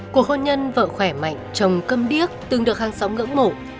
cuộc hôn nhân vợ khỏe mạnh chồng cơm điếc từng được hàng sóng ngưỡng mộ